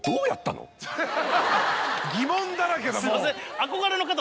疑問だらけだもう。